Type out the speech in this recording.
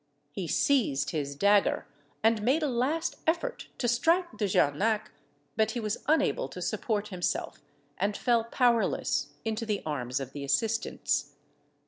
He seized his dagger, and made a last effort to strike De Jarnac: but he was unable to support himself, and fell powerless into the arms of the assistants.